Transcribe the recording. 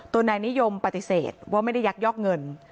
นายนิยมปฏิเสธว่าไม่ได้ยักยอกเงิน